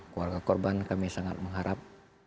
keluarga korban kami sangat mengharap